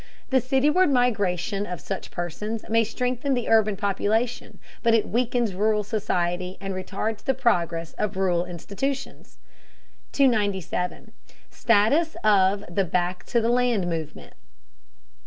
The cityward migration of such persons may strengthen the urban population, but it weakens rural society and retards the progress of rural institutions. 297. STATUS OF THE "BACK TO THE LAND" MOVEMENT.